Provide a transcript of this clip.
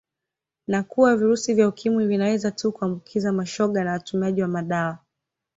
Na kuwa virusi vya Ukimwi vinaweza tu kuambukiza mashoga na watumiaji wa madawa